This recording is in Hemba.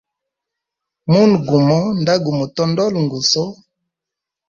Munwe gumo nda gu mutondola nguso.